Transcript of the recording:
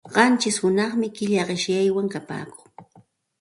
Qanchish hunaqmi killa qishyaywan kapaakun.